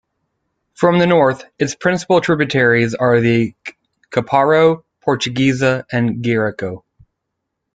From the north, its principal tributaries are the Caparo, Portuguesa and Guarico.